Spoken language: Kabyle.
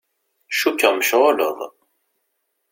Cukkeɣ mecɣuleḍ.